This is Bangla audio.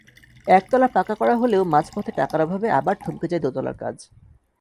একতলা পাকা করা হলেও মাঝপথে টাকার অভাবে আবার থমকে যায় দোতলার কাজ।